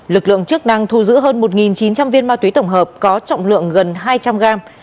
lực lượng chức năng thu giữ hơn một chín trăm linh viên ma túy tổng hợp có trọng lượng gần hai trăm linh gram